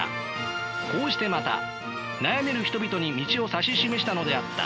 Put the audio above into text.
こうしてまた悩める人々に道を指し示したのであった。